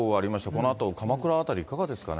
このあと鎌倉辺りいかがですかね。